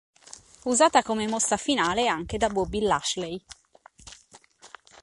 Usata come mossa finale anche da Bobby Lashley.